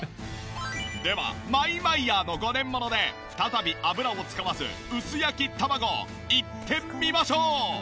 ではマイマイヤーの５年もので再び油を使わず薄焼き卵いってみましょう！